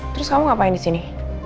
terus kamu ngapain di sini